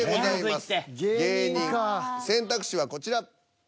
選択肢はこちら。